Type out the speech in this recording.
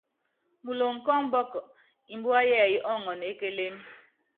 Muloŋ kɔ ɔmbɔk, mbua yɛɛyɛ́ ɔɔŋɔn e kélém.